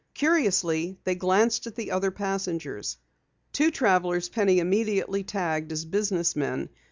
Curiously, they glanced at the other passengers. Two travelers Penny immediately tagged as business men.